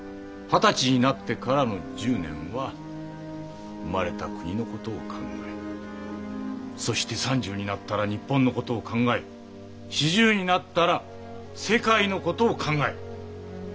二十歳になってからの１０年は生まれた国の事を考えそして３０になったら日本の事を考え４０になったら世界の事を考える。